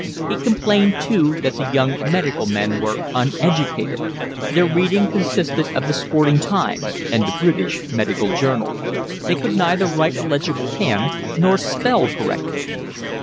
He complained too that the young medical men were uneducated: their reading consisted of The Sporting Times and The British Medical Journal; they could neither write a legible hand nor spell correctly.